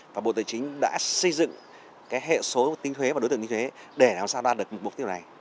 và bộ tài chính đã xây dựng hệ số tính thuế và đối tượng như thế để làm sao đạt được mục tiêu này